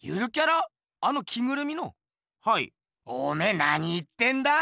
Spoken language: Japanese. おめえなに言ってんだ？